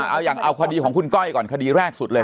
เอาอย่างเอาคดีของคุณก้อยก่อนคดีแรกสุดเลย